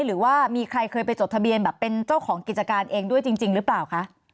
หรือว่ามีใครเคยไปจดทะเบียนแบบเป็นเจ้าของกิจการเองด้วยจริงหรือเปล่าคะ